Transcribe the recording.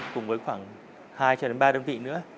cùng với khoảng hai ba đơn vị nữa